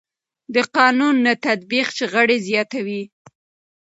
د قانون نه تطبیق شخړې زیاتوي